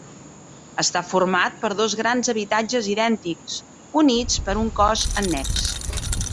Està format per dos grans habitatges idèntics, units per un cos annex.